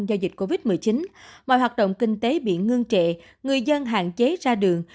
do dịch covid một mươi chín mọi hoạt động kinh tế bị ngưng trệ người dân hạn chế ra đường